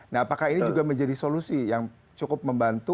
nah apakah ini juga menjadi solusi yang cukup membantu